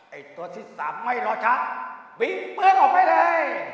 ไอ้ตัวที่สามไม่รอช้าบิงปืนออกไปเลย